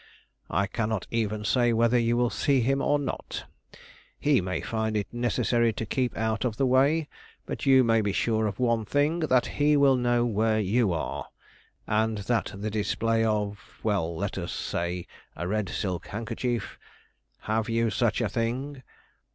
I cannot even say whether you will see him or not; he may find it necessary to keep out of the way; but you may be sure of one thing, that he will know where you are, and that the display of, well, let us say a red silk handkerchief have you such a thing?"